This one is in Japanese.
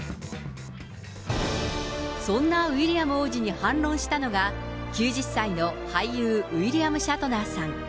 そんなウィリアム王子に反論したのが、９０歳の俳優、ウィリアム・シャトナーさん。